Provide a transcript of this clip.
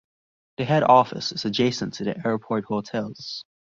The head office is adjacent to the airport hotels.